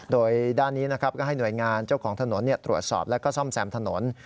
โดยด้านนี้นะครับก็ให้หน่วยงานเจ้าของถนนตรวจสอบแล้วก็ซ่อมแซมถนน